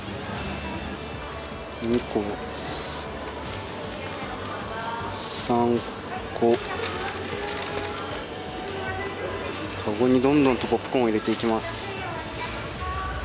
２個、３個かごにどんどんとポップコーンを入れていきます。